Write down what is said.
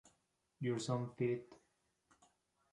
Your Song feat.